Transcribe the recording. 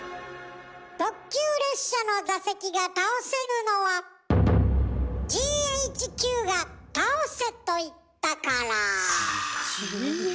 特急列車の座席が倒せるのはＧＨＱが倒せと言ったから。